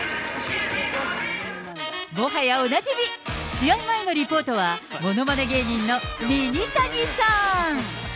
もはやおなじみ、試合前のリポートは、ものまね芸人のミニタニさん。